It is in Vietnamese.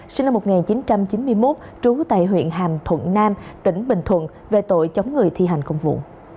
sinh năm một nghìn chín trăm chín mươi một trú tại huyện hàm thuận nam tỉnh bình thuận về tội chống người thi hành công vụ